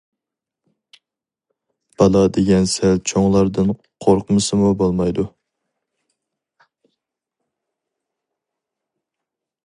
بالا دېگەن سەل چوڭلاردىن قورقمىسىمۇ بولمايدۇ.